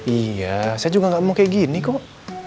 iya saya juga gak mau kayak gini kok